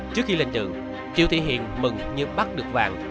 trước khi lên đường triều thị hiền mừng như bắt được vàng